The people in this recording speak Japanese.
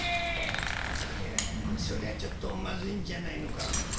いやそれはちょっとまずいんじゃないのか。